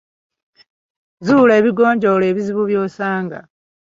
Zuula ebigonjoola ebizibu by'osanga.